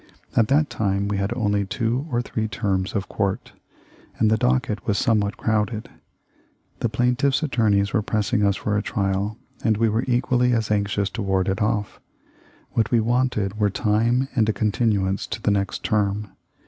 At that time we had only two or three terms of court, and the docket was somewhat crowded. The plain tiff's attorneys were pressing us for a trial, and we were equally as anxious to ward it off. What we wanted were time and a continuance to the next term.